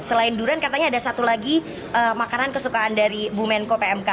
selain durian katanya ada satu lagi makanan kesukaan dari bu menko pmk